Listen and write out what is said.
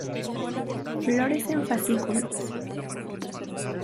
Flores en fascículos.